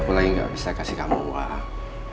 aku lagi gak bisa kasih kamu uang